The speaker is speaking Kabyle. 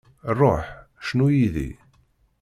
Ruḥ, cnu yid-i.